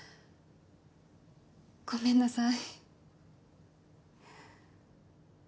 ごめんなさい。